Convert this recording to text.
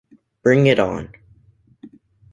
Bring It On!